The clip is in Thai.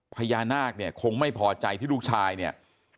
พญานาคเนี่ยคงไม่พอใจที่ลูกชายเนี่ย